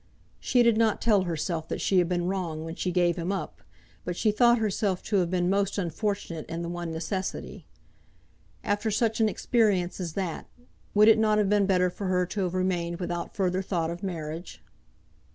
She did not tell herself that she had been wrong when she gave him up, but she thought herself to have been most unfortunate in the one necessity. After such an experience as that, would it not have been better for her to have remained without further thought of marriage?